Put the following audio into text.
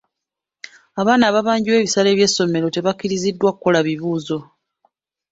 Abaana ababanjibwa ebisale by'essomero tebakkiriziddwa kukola bibuuzo.